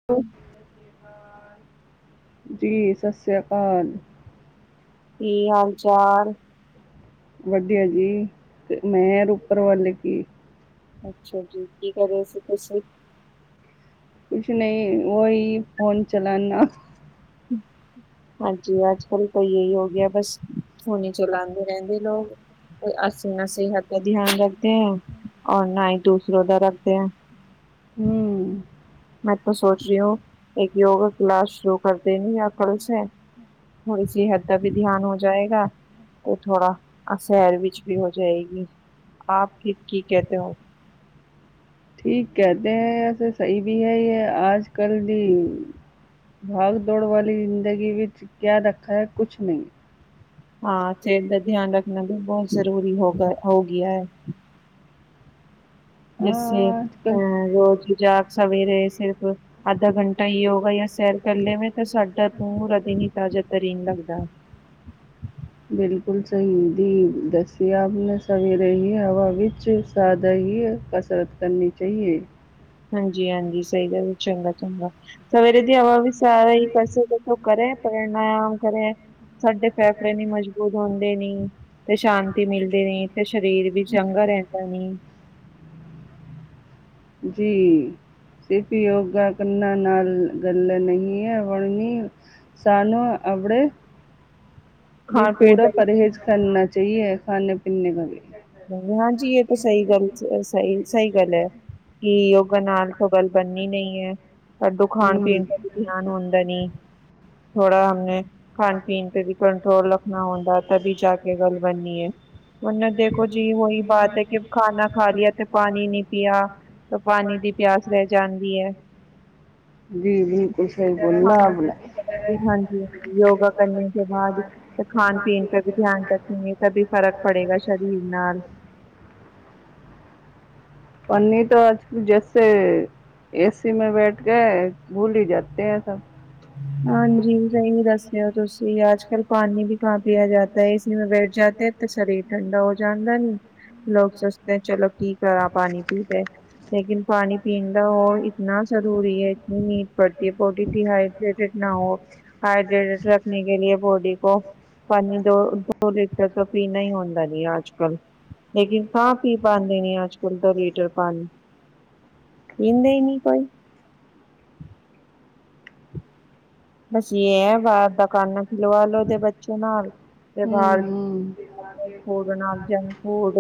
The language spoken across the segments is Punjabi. [unintelligible] ਜੀ ਸਤਿ ਸ਼੍ਰੀ ਅਕਾਲ। ਕੀ ਹਾਲ ਚਾਲ। ਵਧੀਆ ਜੀ, ਮਿਹਰ ਉਪਰ ਵਾਲੇ ਕੀ। ਅੱਛਾ ਜੀ ਕੀ ਕਰ ਰਹੇ ਸੀ ਤੁਸੀਂ। ਕੁਛ ਨਹੀਂ ਉਹ ਹੀ ਫੋਨ ਚਲਾਨਾ। [inaudible] ਹਾਂਜੀ ਅੱਜ ਕੱਲ੍ਹ ਤਾਂ ਇਹੀ ਹੋ ਗਿਆ ਬਸ ਫੋਨ ਹੀ ਚਲਾਉਂਦੇ ਰਹਿੰਦੇ ਲੋਕ। ਅਸੀਂ ਨਾ ਸਿਹਤ ਦਾ ਧਿਆਨ ਰੱਖਦੇ ਹਾਂ ਔਰ ਨਾ ਹੀ ਦੂਸਰੋ ਦਾ ਰੱਖਦੇ ਹਾਂ। ਹੂੰ। ਮੈਂ ਤਾਂ ਸੋਚ ਰਹੀ ਹੂੰ ਇੱਕ ਯੋਗਾ ਕਲਾਸ ਸ਼ੁਰੂ ਕਰ ਦੇਣੀ ਯ ਕੱਲ ਸੇ। ਥੜੀ ਸਿਹਤ ਦਾ ਵੀ ਧਿਆਨ ਹੋ ਜਾਏਗਾ। ਉਹ ਥੋੜਾ ਅਸਹਿਰ ਵਿੱਚ ਵੀ ਹੋ ਜਾਏਗੀ ਆਪ ਕੀ ਕੀ ਕਹਿਤੇ ਹੋ। ਠੀਕ ਕਹਿਤੇ ਹੈਸੇ ਸਹੀ ਵੀ ਹੈ, ਜਾ ਆਜ ਕੱਲ ਦੀ, ਭਾਗ ਦੌੜ ਵਾਲੀ, ਜ਼ਿੰਦਗੀ ਵਿੱਚ ਕਿਆ ਰੱਖਾ ਹੈ ਕੁਛ ਨਹੀਂ, ਹਾਂ ਸਿਹਤ ਦਾ ਧਿਆਨ ਰੱਖਣਾ ਵੀ ਬਹੁਤ ਜ਼ਰੂਰੀ ਹੋ ਹੋ ਗਿਆ ਹੈ। ਜੈਸੇ ਅਹ ਰੋਜ਼ ਜਾਗ ਸਵੇਰੇ ਸਿਰਫ, ਅੱਧਾ ਘੰਟਾ ਯੋਗਾ ਜਾਂ ਸੈਰ ਕਰ ਲਿਆਵੇ, ਤਾਂ ਸਾਡਾ ਪੂਰਾ ਦਿਨ ਹੀ ਤਾਜ਼ਾ ਤਰੀਨ ਲੱਗਦਾ। ਬਿਲਕੁਲ ਸਹੀ ਦੀ ਦਸੀ ਆਪ ਨੇ ਸਵੇਰੇ ਹੀ ਹਵਾ ਵਿੱਚ ਸਾਦਾ ਹੀ, ਸਤਸੰਗ ਨੀਚੇ ਏ। ਹਾਂਜੀ ਹਾਂਜੀ ਸਹੀ ਗੱਲ ਚੰਗਾ ਚੰਗਾ ਸਵੇਰੇ ਦੀ ਹਵਾ ਵੀ ਸਾਰੇ ਕਰਸਤਾਂ ਕਰੇ ਪ੍ਰਣਾਮ ਕਰੇ। ਸਾਡੇ ਫੈਫੜੇ ਨੀ ਮਜ਼ਬੂਤ ਹੁੰਦੇ ਨੀ। ਤੇ ਸ਼ਾਂਤੀ ਮਿਲਦੀ ਨੀ ਤੇ ਸਰੀਰ ਵੀ ਚੰਗਾ ਰਹਿੰਦਾ ਨੀ। ਜੀ। ਸਿਰਫ਼ ਯੋਗਾ ਕਰਨਾਂ ਨਾਲ ਗੱਲ ਨਹੀਂ ਹੈ ਬਣਨੀ। ਸਾਨੂੰ ਆਪਣੇੇ [inaudible] ਜੀ ਪੀਣ ਪੂਰਾ ਦਾ ਪਰਹੇਜ਼ ਕਰਨਾ ਚਾਹੀਏ ਖਾਣੇ ਪੀਣੇ ਕਾ ਵੀ। ਹਾਂਜੀ ਇਹ ਤਾਂ ਸਹੀ ਗੱਲ ਸਹੀ ਸਹੀ ਗੱਲ ਹੈ। ਕੀ ਯੋਗਾ ਨਾਲ ਤੋਂ ਗੱਲ ਬਣਨੀ ਨਹੀਂ ਹੈ ਸਾਡੂ ਖਾਣ ਪੀਣ ਦਾ ਧਿਆਨ ਆਮਦਨੀ ਥੋੜਾ ਹਮ ਨੇ, ਖਾਣ ਪੀਣ ਤੇ ਵੀ ਕੰਟਰੋਲ ਰੱਖਣਾ ਹੁੰਦਾ, ਵੀ ਜਾ ਕੇ ਗੱਲ ਬਣਨੀ ਹੈ ਉਹ ਦੇਖੋ ਜੀ ਉਹੀ ਬਾਤ ਹੈ, ਕਿ ਖਾਣਾ ਖਾ ਲਿਆ ਤੇ ਪਾਣੀ ਨੀ ਪਿਆ ਤਾਂ ਪਾਣੀ ਦੀ ਪਿਆ। ਰੈ ਜਾਂਦੀ ਹੈ, ਜੀ ਬਿਲਕੁਲ ਸਹੀ ਬੋਲ ਖਾਣਾ ਬਣਾ, ਹਾਂਜੀ ਯੋਗਾ ਕਰਨ ਤੋਂ ਬਾਅਦ ਖਾਣ-ਪੀਣ ਦਾ ਵੀ ਧਿਆਨ ਰੱਖਣਗੇ। ਤਾਂ ਵੀ ਫ਼ਰਕ ਪੜੇਗਾ ਸਰੀਰ ਨਾਲ, ਪੰਨੀ ਤਾਂ ਅੱਜ-ਕੱਲ ਜੈਸੇ ਏਸੀ ਮੈਂ ਬੈਠ ਕੇਏ ਭੁੱਲ ਹੀ ਜਾਤੇ ਹੈ ਸਭ, ਹਾਂਜੀ, ਸਹੀ ਦੱਸਦੇ ਹੋ ਤੁਸੀਂ ਆਜ-ਕੱਲ ਪਾਣੀ ਵੀ ਕਹਾ ਪਿਆ ਜਾ ਹੈ ਇਸ ਲਈ ਬੈ ਜਾਂਦੇ ਤੇ ਸਰੀਰ ਠੰਡਾ ਹੋ ਜਾਂਦਾ ਨੀ, ਲੋਕ ਸੋਚਦੇ ਚਲੋ। ਕੀ ਕਰਾ ਪਾਣੀ ਪੀ ਕੇ ਲੇਕਿਨ, ਪਾਣੀ ਪੀਂਦਾ ਹੋ ਇਤਨਾ ਜ਼ਰੂਰੀ ਹੈ, ਇਤਨੀ ਨੀਂਟ ਪੜਦੀ ਹੈ, ਪੋਟੀ ਦੀਹਾਈ ਨਾ ਹੋ ਹਾਈਡਰੇੇਟਡ ਰੱਖਣੇ ਕੇ ਲਿਏ ਬੋਡੀ ਕੋ, ਪਾਣੀ ਦੋ ਦੋ ਲੀਟਰ ਤੋਂ ਪੀਣਾ ਹੀ ਹੁੰਦਾ ਜੀ ਅੱਜ-ਕੱਲ, ਲੇਕਿਨ ਖਾਂ ਪੀ ਪਾ ਦੇਣੀ ਅੱਜ-ਕਲ ਤਾਂ ਲੀਟਰ ਪਾਣੀ, ਹੀ ਨਹੀ ਕੋਈ, ਬਸ ਇਹ ਹੈ, ਬਾਹਰ ਦਾ ਕੰਨ ਖਿਲਵਾਲੋ ਤੇ ਬੱਚੇ ਨਾਲ ਤੇ ਬਾਹਰ ਫੂਡ ਨਾਲ ਜੰਕ ਫੂਡ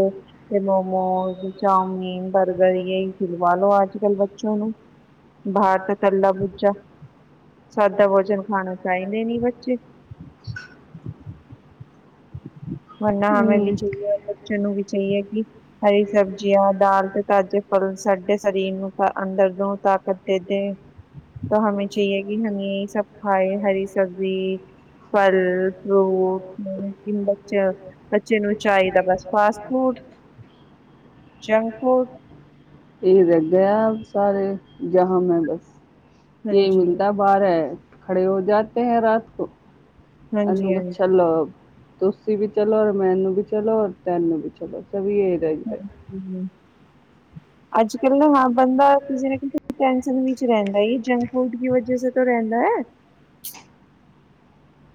ਤੇ ਮੋਮੋਸ, ਚਾਮੀਨ, ਬਰਗਰ, ਸਿਲਵਾ ਲੋ ਅੱਜ-ਕੱਲ੍ਹ ਬੱਚੋਂ ਨੂੰ ਬਾਹਰ ਤੋਂ ਤੱਲਾ ਬੂਜਾ, ਤਾਂ ਵੋਜਨ ਖਾਣਾ ਚਾਹੀਦੇ ਨੀ ਬੱਚੇ, ਵਰਨਾ ਹਮੇ ਵੀ [unintelligible] ਬੱਚਣ ਨੂੰ ਵੀ ਚਾਹੀਏ ਕਿ ਹਰੀ ਸਬਜ਼ੀਆਂ ਦਾਲ ਤੇ ਤਾਜ਼ੇ ਫਲ ਸਾਡੇ ਸਰੀਰ ਨੂੰ ਅੰਦਰ ਦੋ ਤਾਕਤ ਦੇ ਦੇ, ਤਾਂ ਹਮੇ ਚਾਹੀਏ ਕਿ ਹੈ, ਇਹ ਸਭ ਖਾਏ ਹਰੀ ਸਬਜ਼ੀ ਫਲ ਫਰੂਟ [unintelligible] ਬੱਚੇ ਨੂੰ ਚਾਹੀਦਾ ਬਸ ਫਾਸਟ ਫੂਡ ਜੰਕ ਫੂਡ, ਇਹੀ ਰਹਿ ਗਿਆ, ਸਾਰੇ ਜਹਾ ਬਸ ਇਹੀ ਮਿਲਦਾ। ਬਾਰ ਹੈ ਖੜੇ ਹੋ ਜਾਤੇ ਹੈ ਰਾਤ ਕੋ [unintelligible] ਤੁਸੀਂ ਵੀ ਚਲੋ ਔਰ ਮੈਨੂੰ ਵੀ ਚਲੋ ਔਰ ਤੈਨੂੰ ਵੀ ਚਲੋ ਸਭ ਇਹ ਰਹਿਦਾ। ਹੂੰ, ਅੱਜ-ਕੱਲ ਨਾ ਹਾਂ ਬੰਦਾ ਕਿਸੇ ਨਾਤੇ ਟੈਸ਼ਨ ਵਿੱਚ ਰਹਿੰਦਾ ਜੰਕ ਫੂਡ ਦੀ ਵਜ੍ਹਾ, ਤੋਂ ਰਹਿੰਦਾ ਹੈ,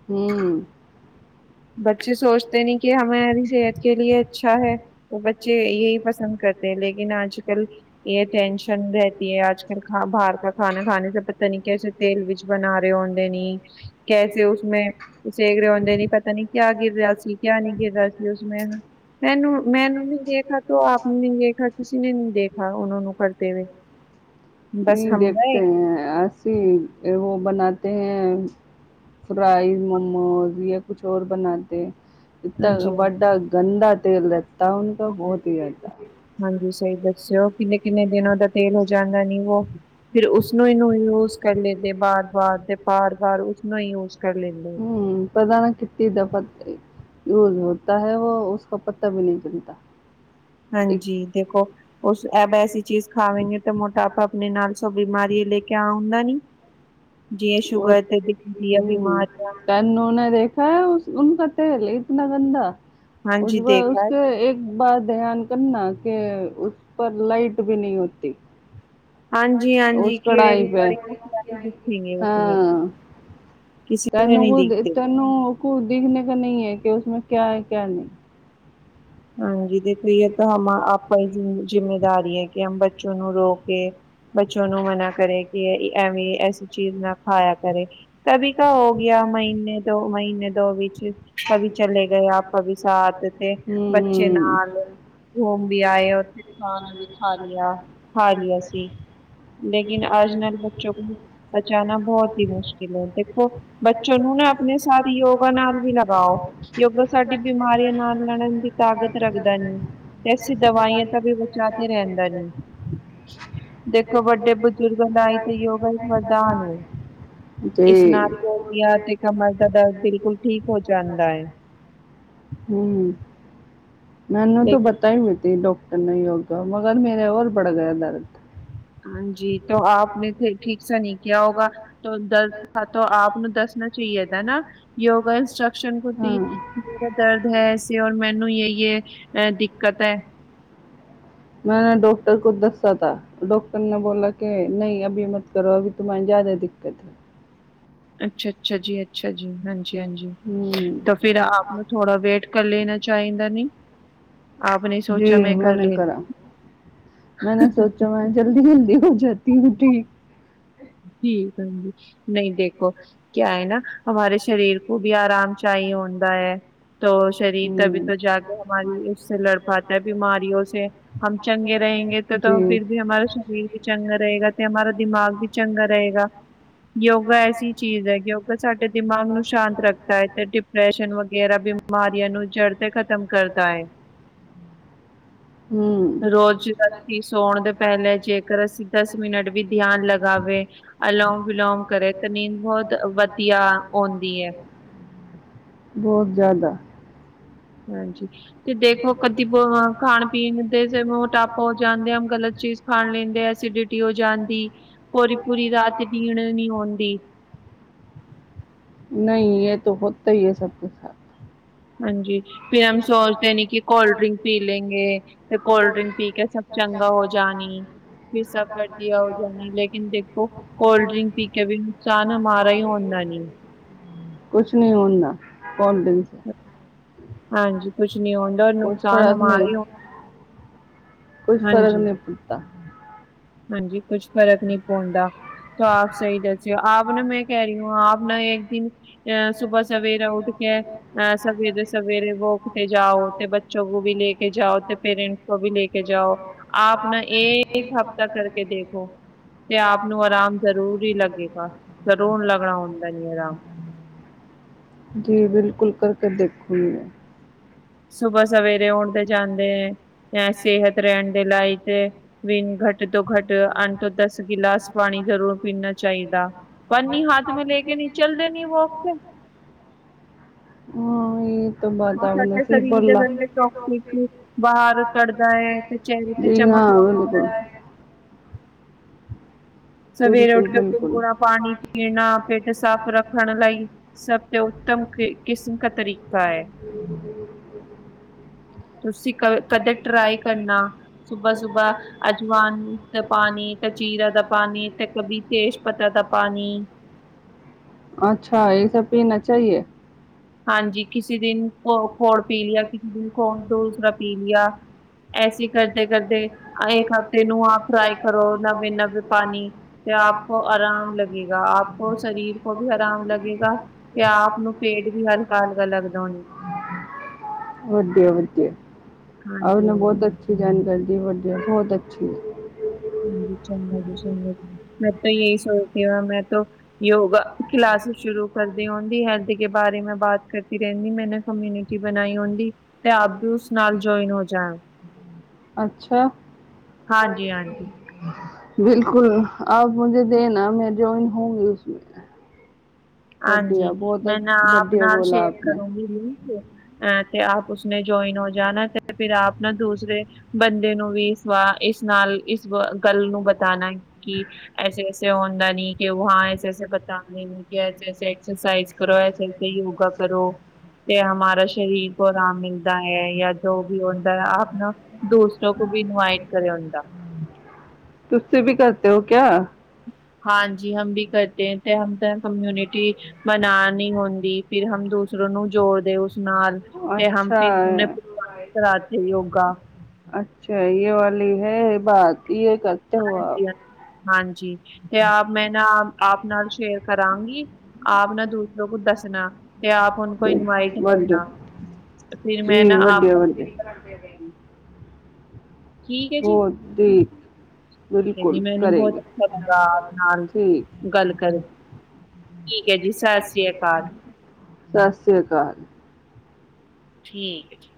ਹੂੰ, ਬੱਚੇ ਸੋਚਦੇ ਨੀ ਕਿ ਹਮਾਰੀ ਸਿਹਤ ਕੇ ਲਿਏ ਅੱਛਾ ਹੈ, ਉਹ ਬੱਚੇ ਇਹੀ ਪਸੰਦ ਕਰਦੇ। ਲੇਕਿਨ ਅਜ ਕੱਲ ਇਹ ਟੈਂਨਸ਼ਨ ਰਹਿਤੀ ਹੈ ਅਜ ਕਲ ਬਾਹਰ ਕਾ ਖਾਣਾ ਖਾਣੇ ਪਤਾ ਨੀ ਕੈਸੇ ਤੇਲ ਵਿੱਚ ਬਣਾ ਰਹੇ ਹੁੰਦੇ ਨੀ, ਕੈਸੇ ਉਸ ਮੇ ਸੇਕ ਰਹੇ ਹੁੰਦੇ ਨ ਪ ਪਤਾ ਨੀ ਕਿਆ ਗਿਰ ਰਿਹਾ ਸੀ, ਕਿਆ ਨਹੀ ਗਿਰ ਰਿਹਾ ਸੀ ਉਸ ਸਮੇ ਮੈਨੂੰ- ਮੈਨੂੰ ਵੀ ਦੇਖ ਆਪ ਨੇ ਨਹੀਂ ਦੇਖਾ ਕਿਸੀ ਨੇ ਨਹੀਂ ਦੇਖਾ, ਉਹ ਨੂੰ ਕਰਦੇ ਹੋਏ। ਨਹੀਂ ਦੇਖਤੇ ਹੈ, ਅਸੀਂ ਉਹ ਬਣਾਤੇ ਹੈ, ਫਰਾਈ ਮੋਮੋਜ਼ ਜਾਂ ਕੁਛ ਔਰ ਬਣਾ, ਇ ਹਾਂਜੀ, ਵੱਡਾ ਗੰਦਾ ਤੇਲ ਲੱਤਾ ਬਹੁਤ ਹੀ ਐ, ਹਾਂਜੀ ਸਹੀ ਦੱਸਿਓ, ਕਿੰਨੇ ਕਿੰਨੇ ਦਿਨ ਦਾ ਤੇਲ ਹੋ ਜਾਂਦਾ ਨੀ ਵੋ ਫਿਰਰ ਉਸਨੂੰ ਇਹਨੂੰ ਯੂਜ ਕਰ ਲਦੇ ਵਾਰ-ਵਾਰ ਤੇ ਵਾਰ-ਵਾਰ ਉਸਨੂੰ ਹੀ ਯੂਜ ਕਰ ਲੈਂਦੇ। ਹੂੰ, ਪਤਾ ਨਾ ਕਿਥੇ, ਪੱਤੀ ਦਫ਼ ਯੂਜ ਹੋਤਾ ਹੈ, ਉਹ ਉਸ ਪੱਤਾ ਵੀ ਨਹੀਂ ਚਲਦਾ। ਹਾਂਜੀ ਦੇਖ, ਐਸੀ ਚੀਜ਼ ਖਾਵਾਂਗੇ ਤੇ ਮੋਟਾਪਾ ਆਪਣੇ ਨਾਲ ਸੋ ਬਿਮਾਰੀ ਲੈ ਕੇ ਆ ਹੁੰਦਾ ਨੀ ਜੇ ਸ਼ੂਗਰ ਤੇ ਬੀਪੀ ਦੀਆ ਬਿਮਾਰੀਆਂ ਕਨੂੰ ਨੇ ਦੇਖਾ ਉਨਕਾ ਤੇਲ ਇਤਨਾ ਗੰਦਾ ਹਾਂਜੀ ਉਸ ਦੇਖਾ ਇੱਕ ਬਾਰ ਧਿਆਨ ਕਰਨਾ ਕਿ ਉਸ ਪਰ ਲਾਈਟ ਵੀ ਨਹੀਂ ਹੋਤੀ ਹਾਂਜੀ-ਹਾਂਜੀ ਉਸ ਕੀੜੇ ਕੜਾਈ ਵੀ ਪੇ, ਬੜੇ ਦਿਖੇਗੇ ਉਸਮੇ, ਹਾਂ ਕਿਸੀ ਨੇ ਤੈਨੂੰ ਨਹੀਂ ਦਿਖਤੇ। ਤੈਨੂੰ ਦੇਖਣੇ ਕ ਨਹੀਂ ਹੈ ਕਿ ਉਸਮੇ ਕਿਆ ਹੈ ਕਿਆ ਨਹੀਂ ਹਾਂਜੀ ਦੇਖੀਏ ਤਾਂ ਹਮ ਆਪਾਂ ਦੀ ਜਿੰਮੇਵਾਰੀ ਹੈ ਕਿ ਹਮ ਬੱਚੋ ਨੂੰ ਰੋਕੇ ਬੱਚੋ ਨੂੰ ਮਨਾ ਕਰੇ ਕਿ ਐਵੇਂ ਐਸੀ ਚੀਜ਼ ਨਾ ਖਾਇਆ ਕਰੇ ਕਭੀ ਕਾ ਹੋ ਗਿਆ ਮਹੀਨੇ ਦੋ ਮਹੀਨੇ ਦੋ ਵਿੱਚ, ਕਭੀ ਚਲੇ ਗਏ ਕਭੀ ਸਾਥ ਤੇ ਬੱਚੇ ਨਾਲ ਘੁਮ ਵੀ ਆਏ, ਉੱਥੇ ਖਾਣਾ ਵੀ ਖਾ ਲਿਆ ਖਾ ਲਿਆ ਸੀ ਲੇਕਿਨ ਆਜ ਵਾਲੇ ਬੱਚੋ ਕੋ ਬਚਾਨਾ ਬਹੁਤ ਹੀ ਮੁਸ਼ਕਿਲ ਹੈ ਦੇਖੋ ਬੱਚੇ ਨੂੰ ਨਾ ਆਪਣੇ ਸਾਥ ਯੋਗਾ ਨਾਲ ਵੀ ਲਗਾਓ, ਯੋਗਾ ਸਾਡੀ ਬਿਮਾਰੀਆਂ ਨਾਲ ਲੜਨ ਦੀ ਤਾਂ ਗਤ ਰੱਖਦਾ ਨੀ ਤੇ ਅਸੀਂ ਦਵਾਈਆਂ ਤਾਂ ਵੀ ਬਚਾ ਕੇ ਰਹਿੰਦਾ ਨੀ ਦੇਖੋ ਵੱਡੇ ਬਜ਼ੁਰਗ ਦਾ ਇਹੀ ਤੇ ਯੋਗਾ ਇੱਕ ਵਰਧਾਨ ਹੈ ਜੀ ਇਸ਼ਨਾਨ ਜੋੜਾ ਤੇ ਕਮਰ ਦਾ ਦਰਦ ਬਿਲਕੁਲ ਠੀਕ ਹੋ ਜਾਂਦਾ ਹੈ ਹਮ ਮੈਨੂੰ ਤਾਂ ਪਤਾ ਹੀ ਹੁੰਦਾ ਡਾਕਟਰ ਨੇ ਹੋਗਾ ਮਗਰ ਮੇਰੇ ਹੋਰ ਬੜ ਗਿਆ ਦਰਦ ਹਾਂਜੀ ਆਪ ਨੇ ਠੀਕ ਸ ਨਹੀਂ ਕਿਹਾ ਹੋਗਾ ਦਰਦ ਆਪ ਨੂੰ ਦਸ ਮ ਚੀਦਾ ਨਾ ਯੋਗਾ ਇਨਸਟਸ਼ਸ਼ਨ ਕੁਤੀ ਦਰਦ ਹੈੇ ਔਰ ਮੈਨੂੰ ਯ ਅ ਦਿੱਕਤ ਹੈ ਮੈਂ ਡਾਕਟਰ ਕੋ ਦੱਸਿਆ ਥਾ ਡਾਕਟਰ ਨੇ ਬੋਲਾ ਕਿ ਨਹੀਂ ਅਭੀ ਮਤ ਕਰੋ ਅਭ ਤੁਮਹੇ ਜਿਆਦਾ ਦਿੱਕਤ ਹੈ ਅੱਛਾ ਅੱਛਾ ਜੀ ਅੱਛਾ ਜੀ ਹਾਂਜੀ- ਹਾਂਜੀ ਤਾਂ ਫਿਰ ਆਪ ਨੂੰ ਥੋੜਾ ਵੇਟ ਕਰ ਲੈਣਾ ਚਾਹੀਦਾ ਨੀ ਆਪ ਨੇ ਸੋਚਿਆ ਮੈਂ ਕਰ ਲਦੀ ਜਲਦੀ ਜਲਦੀ ਹੋ ਜਾਤੀ ਹੁੰਦੀ ਠੀਕ ਜੀ ਨਹੀਂ ਦੇਖੋ ਕਿਆ ਹੈ ਨਾ ਹਮਾਰੇ ਸ਼ਰੀਰ ਉਹ ਵੀ ਆਰਾਮ ਚ ਹੀ ਹੁੰਦਾ ਹੈ ਤ ਸ਼ਰੀਰ ਤਭੀ ਤੋਂ ਜਾ ਕੇ ਹਮਾਰੀ ਉਸ ਸੇ ਲੜ ਪਾਤਾ ਹੈ ਬਿਮਾਰੀਓ ਸੇ ਹਮ ਚੰਗੇ ਰਹਾਂਗੇ ਤਾਂ ਫਿਰ ਵੀ ਹਮਾਰਾ ਸਰੀਰ ਵੀ ਚੰਗਾ ਰਹੇਗਾ ਤੇ ਹਮਾਰਾ ਦਿਮਾਗ ਵੀ ਚੰਗਾ ਰਹੇਗਾ ਯੋਗਾ ਐਸੀ ਚੀਜ਼ ਹੈ ਯੋਗਾ ਸਾਡੇ ਦਿਮਾਗ ਨੂੰ ਸ਼ਾਂਤ ਰੱਖਦਾ ਹੈ ਤੇ ਡਿਪਰੈਸ਼ਨ ਗੇਰਾ ਬਿਮਾਰੀਆਂ ਨੂੰ ਜੜ੍ਹ ਤੇ ਖ਼ਤਮ ਕਰਦਾ ਹੈ ਰੋਜ਼ ਰਾਤੀ ਸੌਣ ਦੇ ਪਹਿਲੇ ਜੇਕਰ ਅਸੀਂ ਦਸ ਮਿੰਟ ਵੀ ਧਿਆਨ ਲੱਗ ਲਗਾਵੇ ਅਲੋਮ ਵਿਲੋਮ ਕਰੇ ਤੇ ਨੀਂਦ ਬਹੁਤ ਵਧੀਆ ਆਉਂਦੀ ਹੈ ਬਹੁਤ ਜ਼ਿਆਦਾ ਹਾਂਜੀ ਤੇ ਦੇਖੋ ਕਦੀ ਬ ਖਾਣ ਪੀਣ ਦੇ ਮੋਟਾਪਾ ਹੋ ਜਾਂਦੇ ਆ ਗਲਤ ਚੀਜ਼ ਖਾਣ ਲੈਂਦੇ ਐਸੀਡਿਟੀ ਹੋ ਜਾਂਦੀ ਪੂਰੀ ਪੂਰੀ ਰਾਤ ਬੀਣ ਨੀ ਆਦੀ ਨਹੀਂ ਇਹ ਤਾਂ ਹੋਤਾ ਹੀ ਹੈ ਸਭ ਕੇ ਸਾਥ। ਹਾਂਜੀ ਫਿਰ ਹਮ ਸੋਚਦੇ ਨੀ ਕਿ ਕੋਲਡ ਡਰਿੰਕ ਪੀ ਲੈਂਗੇ ਤੇ ਕੋਲਡ ਡ੍ਰਿੰਕ ਪੀ ਕੇ ਸਭ ਚੰਗਾ ਹੋ ਜਾਣੀ ਵੀ ਸਭ ਕਰਜ ਹੋ ਜਾ ਲੇਕਨ ਦੇਖੋ ਕੋਲਡ ਡਰਿੰਕ ਪੀ ਕੇ ਵੀ ਨੁਕਸਾਨ ਹਮਾਰਾ ਹੀ ਹੁੰਦਾ ਨਹੀਂ ਹਮ ਕੁਛ ਨਹੀ ਹੁੰਦਾ ਹਾਂਜੀ, ਕੁਛ ਨੀ ਹੁੰਦਾ ਨੁਕਸਾਨ ਹਮਾਰਾ ਕੋਈ ਫਰਕ ਨਹੀਂ ਪੈਦਾ ਹਾਂਜੀ ਕੁਛ ਫਰਕ ਨਹੀਂ ਪਾਂਉਦਾ ਆਪ ਸਹੀ ਰਚੇ ਹੋ ਆਪ ਨਾ ਮੈਂ ਕਹਿ ਰਹੀ ਹ ਆਪ ਨਾ ਇੱਕ ਦਿਨ ਅ ਸੁਬਾਹ ਸਵੇਰੇ ਉੱਠ ਕੇ ਅ ਸਵੇਰੇ ਸਵੇਰੇ ਵੋਕ ਤੇ ਜਾਓ ਤੇ ਬੱਚੋ ਕੋ ਵੀ ਲੈ ਕੇ ਜਾਓ ਤੇ ਪੇਰੈਂਟਸ ਕੋ ਵੀ ਲੈ ਕੇ ਜਾਓ ਆਪ ਨਾ ਇੱਕ ਹਫ਼ਤਾ ਕਰਕੇ ਦੇਖੋ। ਤੇ ਆਪ ਨੂੰ ਆਰਾਮ ਜ਼ਰੂਰ ਹੀ ਜ਼ਰੂਰਤੀ ਲੱਗੇਗਾ ਜ਼ਰੂਰ ਲੱਗਣਾ ਹੁੰਦਾ ਨੀ ਆਰਾਮ। [unintelligible] [unintelligible] ਜੀ ਬਿਲਕੁਲ ਕਰਕੇ ਦੇਖੂੰਗੀ ਮੈਂ ਸੁਬਾਹ ਸਵੇਰੇ ਆਉਣ ਤੇ ਜਾਂਦੇ ਹੈ ਸਿਹਤ ਰਹਿਣ ਦੇ ਲਾਇਕ ਵੀ ਘੱਟ ਘੱਟ ਤੋਂ ਘੱਟ ਅੱਠ ਤੋਂ ਦਸ ਗਿਲਾਸ ਪਾਣੀ ਜ਼ਰੂਰ ਪੀਣਾ ਚਾਹੀਦਾ ਪੰਨੀ ਹੱਥ ਮੈਂ ਲੈ ਕੇ ਨੀ ਚੱਲਦੇ ਨੀ ਵੋਕ ਤੇ ਸਰੀਰ [unintelligible] ਦੇ ਗੰਦੇ ਟੌਕਸਿਕ ਬਾਹਰ [unintelligible] ਕੱਢਦਾ ਹੈ ਤੇ ਚਿਹਰੇ ਤੇ ਚਮਕ ਲਾਉਂਦਾ ਹੈ [inaudible] ਸਵੇਰੇ ਉੱਠ ਕੇ ਗੁਨਗੁਨਾ ਪਾਣੀ ਪੀਣਾ ਪਿੱਟ ਸਾਫ਼ ਰੱਖਣ ਲਈ ਸਭ ਤੋਂ ਉੱਤਮ ਕਿਸਮ ਕਾ ਤਰੀਕਾ ਹੈ। [unintelligible] ਤੁਸੀ ਕਦੇ ਟਰਾਈ ਕਰਨਾ ਸੁਬਾ ਸੁਬਾਹ ਅਜਵਾਨ ਦਾ ਪਾਣੀ ਤੇ ਜੀਰੇ ਦਾ ਪਾਣੀ ਪਾਣੀ ਤੇ ਕਦੇ ਵੀ ਤੇਜ ਪੱਤਾ ਦਾ ਪਾਣੀ ਅੱਛਾ ਇਹ ਸਭ ਪੀਨਾ ਚਾਹੀਏ। ਹਾਂਜੀ ਕਿਸੇ ਦਿਨ ਕੋਰ ਪੀ ਲਿਆ ਕਿਸੇ ਦਿਨ ਕੋਰ ਦੂਸਰਾ ਪੀ ਲਿਆ। ਐਸੀ ਕਰਦੇ ਕਰਦੇ ਇੱਕ ਹਫ਼ਤੇ ਨੂੰ ਆਪ ਫਰਾਈ ਕਰੋ ਨਵੇਂ ਨਵੇਂ ਪਾਣੀ ਤੇ ਆਪ ਆਰਾਮ ਲੱਗੇਗਾ ਆਪ ਕੋ ਸਰੀਰ ਕੋ ਵੀ ਆਰਾਮ ਲਗੇਗਾ। ਤੇ ਆਪ ਨੂੰ ਪੇਟ ਵੀ ਹਲਕਾ ਹਲਕਾ ਲੱਗਦਾ ਹੋਏਗਾ। ਵਧੀਆ ਵਧੀਆ ਆ ਉਹਨੂੰ ਹਾਂਜੀ-ਹਾਂਜੀ। ਬਹੁਤ ਅੱਛੀ ਜਾਣਕਾਰੀ ਦੀ ਵਧੀਆ ਹੈ ਬਹੁਤ ਅੱਛੀ। ਚੰਗਾ ਜੀ ਚੰਗਾ ਜੀ ਮੈਂ ਤਾਂ ਇਹੀ ਸੋਚਦੀ ਹਾਂ ਮੈਂ ਤੋ ਯੋਗਾ ਕਲਾਸ ਸ਼ੁਰੂ ਕਰਦੇ ਹੁੰਦੀ ਹੈਲਥ ਕੇ ਬਾਰੇ ਮੈਂ ਬਾਤ ਕੀਤੀ ਰਹਿੰਦੀ ਮੈ ਕਮਿਊਨਿਟੀ ਬਣਾਈ ਹੁੰਦੀ ਤੇ ਆਪ ਵੀ ਉਸ ਨਾਲ ਜੁਆਇਨ ਹੋ ਜਾ ਅੱਛਾ। ਬਿਲਕੁਲ ਆਪ ਮੁਝੇ ਦੇਣਾ ਮੈਂ ਜਇਨ ਹੋਗੀ ਉਸ ਮੇ ਹਾਂਜੀ ਮੈਂ ਨਾ ਆਪ ਨਾਲ ਸ਼ੇਅਰ ਕਰੂੰਗੀ ਵੀ ਅ ਤੇ ਆਪ ਉਸਨੇ ਜੁਆਇਨ ਹੋ ਜਾਣਾ ਤੇ ਫਿਰ ਆਪ ਨਾ ਦੂਸਰੇ ਬੰਦੇ ਨੂੰ ਵੀ ਇਸ ਵਾਰ ਇਸ ਨਾਲ ਇਸ ਗੱਲ ਨੂੰ ਬਤਾਉਣਾ ਕਿ ਐਸੇ ਐਸੇ ਹੁੰਦਾ ਨੀ ਕਿ ਵਾਂ ਐਸੇ ਐਸੇ ਬਤਾਉਦੇ ਨੀ ਜੈਸੇ ਐਕਸਰਸਾਈਜ਼ ਕਰੋ ਐਸੇ ਯੋਗਾ ਕਰੋ ਤੇ ਹਮਾਰਾ ਸ਼ਰੀਰ ਆਰਾਮ ਮਿਲਦਾ ਹੈ ਯਾ ਜੋ ਵੀ ਹੁੰਦਾ ਹੈ ਆਪ ਦੂਸਰੋ ਕੋ ਵੀ ਇੰਵਾਟ ਤੁਸੀਂ ਵੀ ਕਰਦੇ ਹੋ ਕਿਆ। ਹਾਂਜੀ ਹਮ ਵੀ ਕਰਤੇ ਤੇ ਹਮ ਤਾਂ ਕਮਿਊਨਿਟੀ ਬਨਾਨੀ ਹੁੰਦੀ ਫਿਰ ਹਮ ਦੂਸਰੋ ਨੂੰ ਜੋੜਦੇ ਉਸ ਨਾਲ ਤੇ ਹਪੀ ਉਹਨੇ ਕਰਾ ਤੇ ਯੋਗਾ ਅੱਛਾ ਇਹ ਵਾਲੀ ਹੈ ਬਾਤ ਇਹ ਕਰ ਹਾਂਜੀ ਤੇ ਆਪ ਮੈਂ ਨਾ ਆਪ ਨਾਲ ਸ਼ੇਅਰ ਕਰਾਂਗੀ ਆਪ ਨਾ ਦੂਸਰੋ ਕੋ ਦੱਸਣਾ। ਵਧੀਆ ਜੀ ਵਧੀਆ ਵਧੀਆ। ਓਕੇ। ਤੇ ਜੀ ਮੈਨੂੰ ਬਹੁਤ ਅੱਛਾ ਲੱਗਾ ਆਪ ਨਾਲ ਠੀਕ ਗੱਲ ਕਰਕੇ ਠੀਕ ਹੈ ਜੀ ਸਤਿ ਸ੍ਰੀ ਅਕਾਲ। ਸਤਿ ਸ੍ਰੀ ਅਕਾਲ। ਠੀਕ ਹੈ ਜੀ।